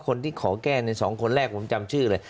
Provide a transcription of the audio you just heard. คนที่ขอแก้ใน๒คนแรกผมจำชื่อเลย